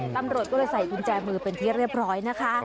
ตำรวจก็เลยใส่กุญแจมือเป็นที่เรียบร้อยนะคะ